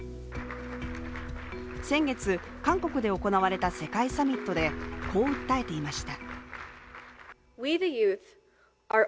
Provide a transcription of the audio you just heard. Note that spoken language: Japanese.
先月、韓国で行われた世界サミットでこう訴えていました。